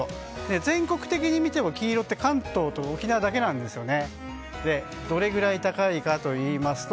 全国的に見ても黄色って関東と沖縄だけなんですよね。